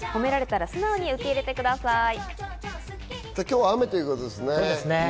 今日は雨ということですね。